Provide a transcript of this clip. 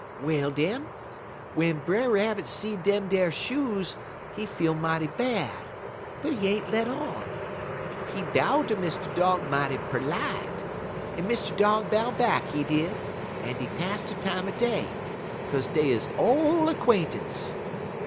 "Well, den, w'en Brer Rabbit see dem ar shoes he feel mighty bad, but he ain't let on. He bow ter Mr. Dog mighty perlite, en Mr. Dog bow back, he did, en dey pass de time er day, 'kaze dey 'uz ole 'quaintance.